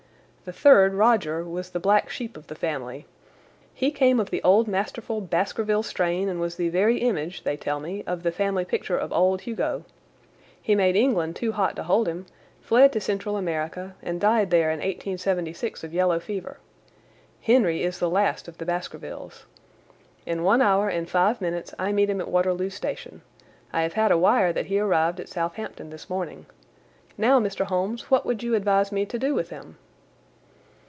The third, Rodger, was the black sheep of the family. He came of the old masterful Baskerville strain and was the very image, they tell me, of the family picture of old Hugo. He made England too hot to hold him, fled to Central America, and died there in 1876 of yellow fever. Henry is the last of the Baskervilles. In one hour and five minutes I meet him at Waterloo Station. I have had a wire that he arrived at Southampton this morning. Now, Mr. Holmes, what would you advise me to do with him?"